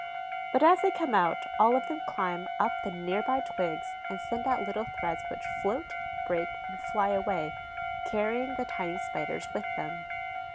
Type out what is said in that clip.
But as they come out, all of them climb up the near by twigs and send out little threads which float, break, and fly away, carrying the tiny Spiders with them.